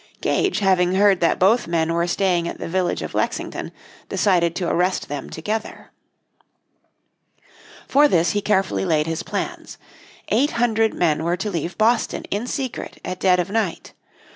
Gage having heard that both men were staying at the village of Lexington decided to arrest them together. For this he carefully laid his plans. Eight hundred men were to leave Boston in secret at dead of night.